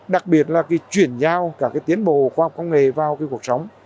đặc biệt là cái chuyển giao cả tiến bộ khoa học công nghệ vào cuộc sống